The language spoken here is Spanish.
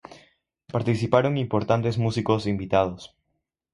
Participaron importantes músicos invitados.